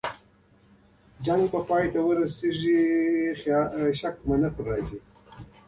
جګړه پای ته رسېږي؟ فکر نه کوم.